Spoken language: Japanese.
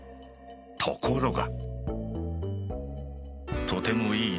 ところが。